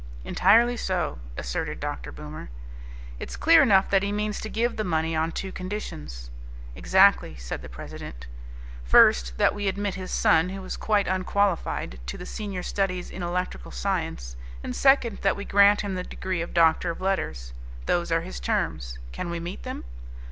"Entirely so," asserted Dr. Boomer. "It's clear enough that he means to give the money on two conditions." "Exactly," said the president. "First that we admit his son, who is quite unqualified, to the senior studies in electrical science, and second that we grant him the degree of Doctor of Letters. Those are his terms." "Can we meet them?"